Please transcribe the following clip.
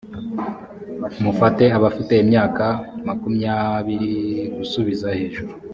mufate abafite imyaka makumyabiri gusubiza hejuru.